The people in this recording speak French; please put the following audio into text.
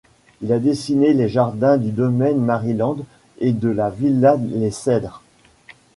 Il a dessiné les jardins du Domaine Maryland et de la Villa Les Cèdres.